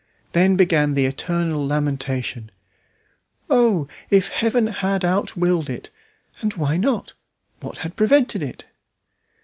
Then began the eternal lamentation: "Oh, if Heaven had not willed it! And why not? What prevented it?"